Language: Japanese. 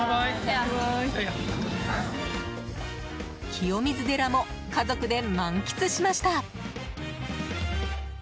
清水寺も、家族で満喫しました。